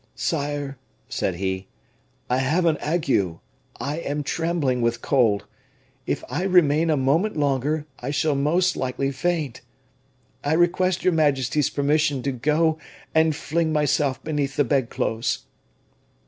"Sire," said he, "I have an ague I am trembling with cold. If I remain a moment longer, I shall most likely faint. I request your majesty's permission to go and fling myself beneath the bedclothes."